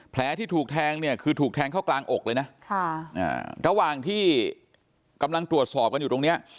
แผลที่ถูกแทงเนี่ยคือถูกแทงเข้ากลางอกเลยนะระหว่างที่กำลังตรวจสอบกันอยู่ตรงนี้